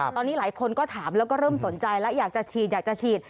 ตอนนี้หลายคนก็ถามแล้วก็เริ่มสนใจแล้วอยากจะฉีดอยากจะฉีด